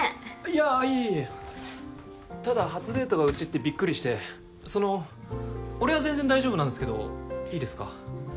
いやいえいえただ初デートがうちってビックリしてその俺は全然大丈夫なんですけどいいですか？